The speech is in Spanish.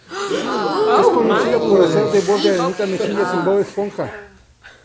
Es conocida por hacer de voz de Arenita Mejillas en "Bob Esponja".